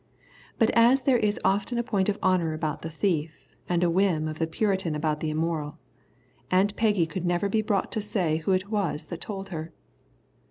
But as there is often a point of honour about the thief and a whim of the Puritan about the immoral, Aunt Peggy could never be brought to say who it was that told her.